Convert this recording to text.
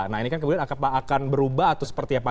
nah ini kan kemudian akan berubah atau seperti apa